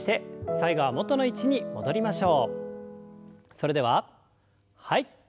それでははい。